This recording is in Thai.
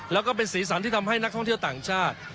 แล้วก็เป็นสีสันที่ทำให้นักท่องเที่ยวต่างชาติ